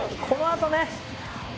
このあとね。